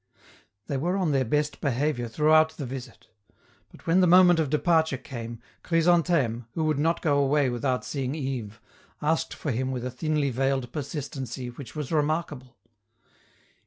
They were on their best behavior throughout the visit. But when the moment of departure came, Chrysantheme, who would not go away without seeing Yves, asked for him with a thinly veiled persistency which was remarkable.